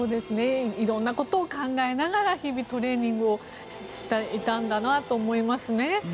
色んなことを考えながら日々、トレーニングをしていたんだなと思いますね。